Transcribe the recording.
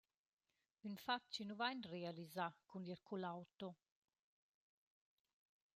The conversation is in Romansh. Ün fat chi nu vain realisà cun ir cun l’auto.